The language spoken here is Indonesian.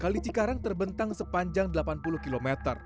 kali cikarang terbentang sepanjang delapan puluh km